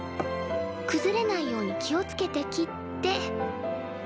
くずれないように気を付けて切って。